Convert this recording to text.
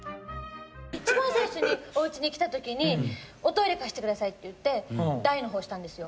一番最初に、おうちに来たときに、おトイレ貸してくださいって言って、大のほうをしたんですよ。